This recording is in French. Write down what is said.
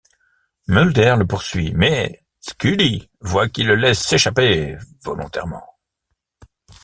Mulder le poursuit mais Scully voit qu'il le laisse s'échapper volontairement.